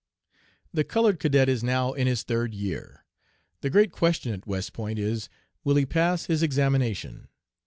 "The colored cadet is now in his third year. The great question at West Point is, Will he pass his examination?